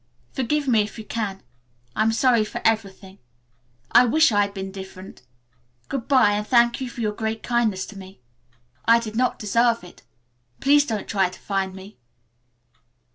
"Forgive me if you can. I am sorry for everything. I wish I had been different. Good bye and thank you for your great kindness to me. I did not deserve it. Please don't try to find me.